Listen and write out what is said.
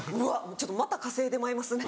ちょっとまた稼いでまいますね。